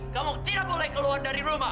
kamu tidak boleh keluar dari rumah